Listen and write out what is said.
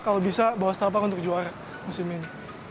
kalau bisa bawa setapak untuk juara musim ini